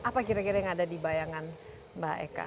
apa kira kira yang ada di bayangan mbak eka